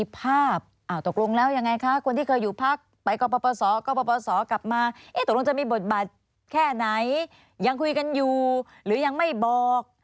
ภาพตกลงแล้วยังไงคะคนที่เคยอยู่พักไปกปศกกลับมาตกลงจะมีบทบาทแค่ไหนยังคุยกันอยู่หรือยังไม่บอก